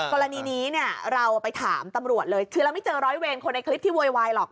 กรณีนี้เนี่ยเราไปถามตำรวจเลยคือเราไม่เจอร้อยเวรคนในคลิปที่โวยวายหรอก